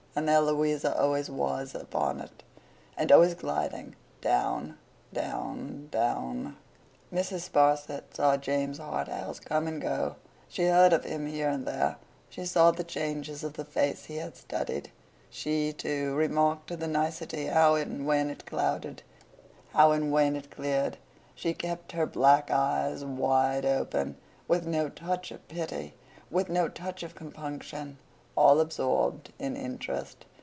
And there Louisa always was, upon it. And always gliding down, down, down! Mrs. Sparsit saw James Harthouse come and go; she heard of him here and there; she saw the changes of the face he had studied; she, too, remarked to a nicety how and when it clouded, how and when it cleared; she kept her black eyes wide open, with no touch of pity, with no touch of compunction, all absorbed in interest.